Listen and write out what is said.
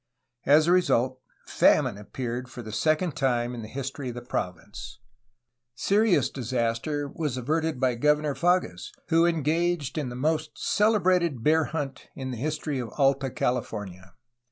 As a result, famine appeared for the second time in the history of the province. Serious di saster was averted by Governor Fages, who engaged in the 248 A HISTORY OF CALIFORNIA most celebrated bear hunt in the history of Alt a California.